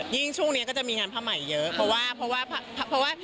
ยิ่งช่วงนี้ก็จะมีงานผ้าไหมเยอะเพราะว่า